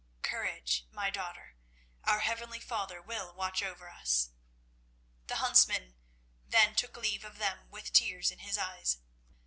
Courage, my daughter; our heavenly Father will watch over us." The huntsman then took leave of them with tears in his eyes.